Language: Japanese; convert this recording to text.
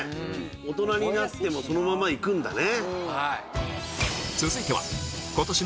大人になってもそのままいくんだね。